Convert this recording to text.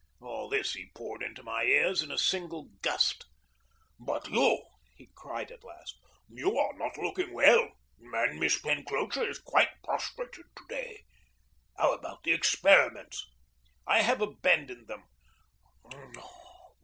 All this he poured into my ears in a single gust. "But you!" he cried at last. "You are not looking well. And Miss Penclosa is quite prostrated to day. How about the experiments?" "I have abandoned them."